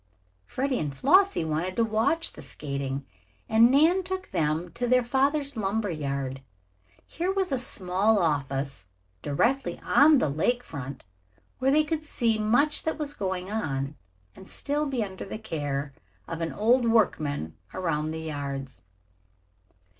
Freddie and Flossie wanted to watch the skating, and Nan took them to their father's lumber yard. Here was a small office directly on the lake front, where they could see much that was going on and still be under the care of an old workman around the yards.